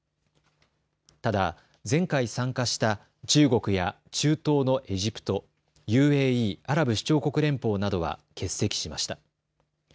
ただ前回参加した中国や中東のエジプト、ＵＡＥ・アラブ首長国連邦などは欠席しました。